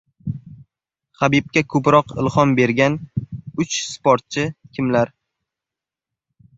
Habibga ko‘proq ilhom bergan uch sportchi kimlar?